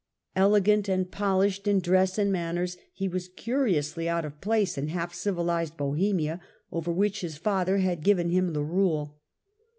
Elegant and polished in dress and manners, he was curiously out of place in half civilised Bohemia, over which his father had given him the rule.